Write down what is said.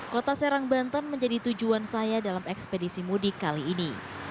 kota serang banten menjadi tujuan saya dalam ekspedisi mudik kali ini